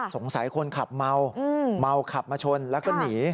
คนขับเมาเมาขับมาชนแล้วก็หนี